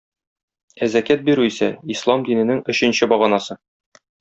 Ә зәкят бирү исә ислам диненең өченче баганасы.